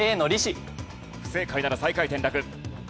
不正解なら最下位転落。